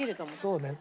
そうね。